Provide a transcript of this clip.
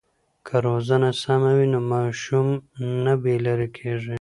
که روزنه سمه وي نو ماشوم نه بې لارې کېږي.